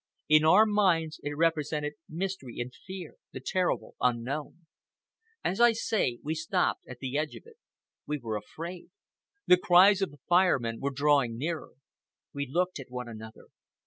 In our minds it represented mystery and fear, the terrible unknown. As I say, we stopped at the edge of it. We were afraid. The cries of the Fire Men were drawing nearer. We looked at one another.